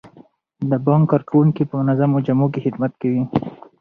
د بانک کارکوونکي په منظمو جامو کې خدمت کوي.